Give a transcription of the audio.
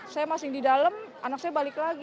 saya masih di dalam anak saya balik lagi